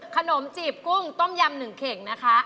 ขนมจีบกุ้งต้มยำ๑เข่งนะคะ